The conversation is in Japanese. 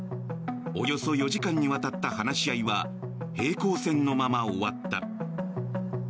およそ４時間にわたった話し合いは平行線のまま終わった。